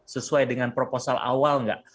sesuai dengan proposal awal nggak